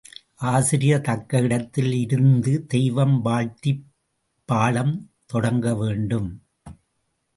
ஆசிரியர் தக்க இடத்தில் இருந்து தெய்வம் வாழ்த்திப் பாடம் தொடங்க வேண்டும்.